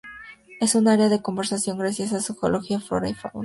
Es un área de conservación, gracias a su geología, flora y fauna.